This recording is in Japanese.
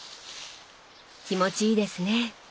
気持ちいいですね。